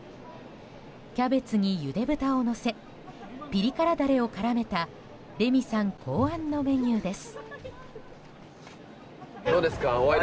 キャベツにゆで豚を乗せピリ辛ダレを絡めたレミさん考案のメニューです。